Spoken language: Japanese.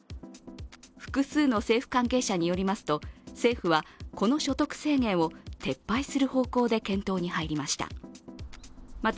複数の政府関係者によりますと、政府はこの所得制限を撤廃する方向で検討に入りました。